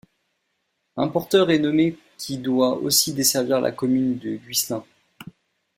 Un porteur est nommé qui doit aussi desservir la commune du Guislain.